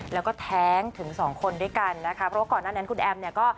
แล้วก็แท้งถึงสองคนด้วยกันนะคะเพราะว่าก่อนหน้านั้นคุณแอมเนี่ยก็